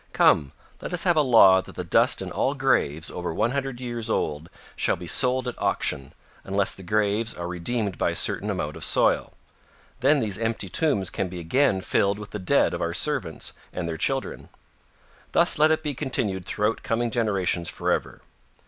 Come, let us have a law that the dust in all graves over one hundred years old shall be sold at auction, unless the graves are redeemed by a certain amount of soil. Then these empty tombs can be again filled with the dead of our servants and their children. Thus let it be continued throughout coming generations forever.